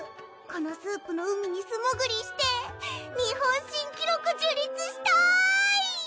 このスープの海にすもぐりして日本新記録樹立したい！